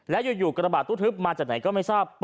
และอยู่กระบาดตู้ทึบมาจากไหนก็ไม่ทราบ